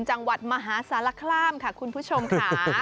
จังหวัดมหาสารคามค่ะคุณผู้ชมค่ะ